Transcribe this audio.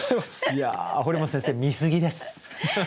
いや堀本先生見すぎです。